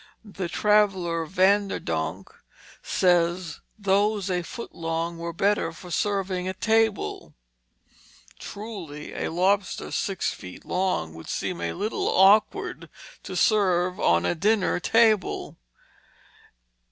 The traveller, Van der Donck, says "those a foot long are better for serving at table." Truly a lobster six feet long would seem a little awkward to serve on a dinner table.